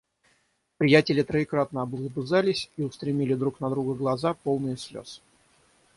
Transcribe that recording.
Приятели троекратно облобызались и устремили друг на друга глаза, полные слёз.